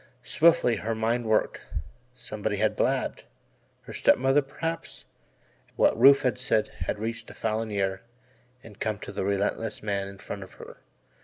Swiftly her mind worked somebody had blabbed, her step mother, perhaps, and what Rufe had said had reached a Falin ear and come to the relentless man in front of her.